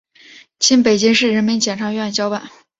经北京市人民检察院交办